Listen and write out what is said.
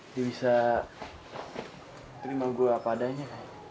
dia bisa terima gue apa adanya